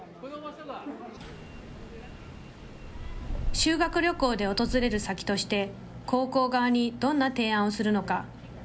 修学旅行で訪れる先として、高校側にどんな提案をするのか。